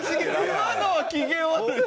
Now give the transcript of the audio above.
今のは機嫌悪いわ。